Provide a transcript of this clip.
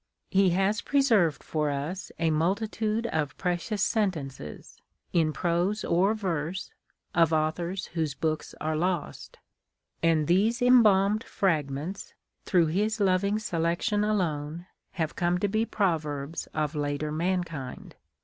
He lias preserved for us a r iulti XIV INTRODUCTION. tude of precious sentences, in prose or verse, of authors whoso books are lost ; and these embahned fragments, through his loving selection alone, have come to be proverbs of later mankind.